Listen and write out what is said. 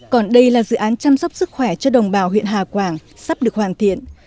còn đây là dự án chăm sóc sức khỏe cho đồng bào huyện hà quảng sắp được hoàn thiện